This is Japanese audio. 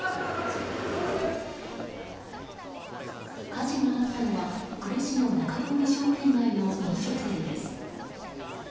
火事があったのは呉市の中通商店街の飲食店です。